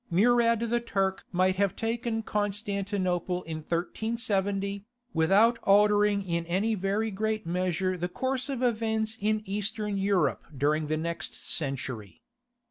Murad the Turk might have taken Constantinople in 1370, without altering in any very great measure the course of events in Eastern Europe during the next century.